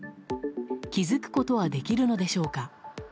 気づくことはできるのでしょうか。